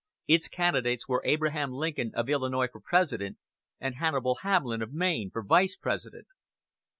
Its candidates were Abraham Lincoln of Illinois for President, and Hannibal Hamlin of Maine for Vice President.